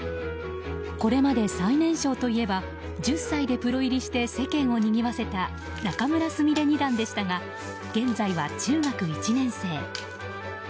これまで最年少といえば１０歳でプロ入りして世間をにぎわせた仲邑菫二段でしたが現在は中学１年生。